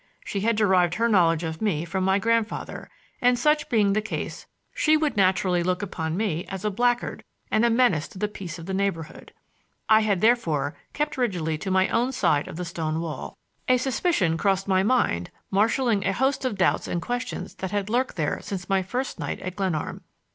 She had derived her knowledge of me from my grandfather, and, such being the case, she would naturally look upon me as a blackguard and a menace to the peace of the neighborhood. I had, therefore, kept rigidly to my own side of the stone wall. A suspicion crossed my mind, marshaling a host of doubts and questions that had lurked there since my first night at Glenarm.